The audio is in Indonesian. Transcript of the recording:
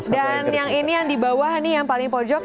dan yang ini yang di bawah nih yang paling pojok